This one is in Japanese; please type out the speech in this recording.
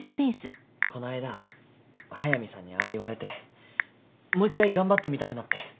こないだ速見さんにああ言われてもう一回頑張ってみたくなって。